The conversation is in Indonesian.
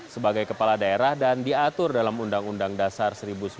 sebagai kepala daerah dan diatur dalam undang undang dasar seribu sembilan ratus empat puluh lima